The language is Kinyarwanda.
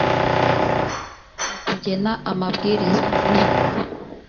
mu kugena amabwiriza n uburyo